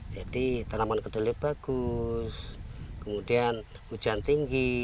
jadi tanaman kedelai bagus kemudian hujan tinggi